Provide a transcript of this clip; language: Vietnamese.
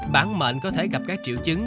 bản mệnh có thể gặp các triệu chứng